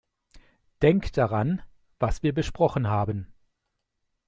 Denk daran, was wir besprochen haben!